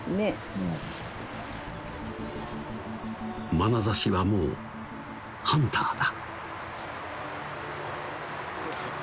まなざしはもうハンターだ